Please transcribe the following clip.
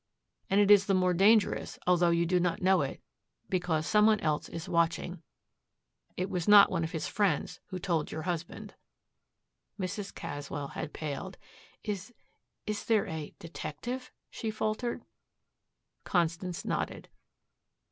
And it is the more dangerous, although you do not know it, because some one else is watching. It was not one of his friends who told your husband " Mrs. Caswell had paled. "Is is there a detective?" she faltered. Constance nodded.